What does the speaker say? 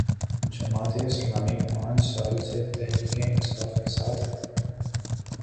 جماعت اسلامی پانچ سال سے تحریک انصاف کے ساتھ ہے۔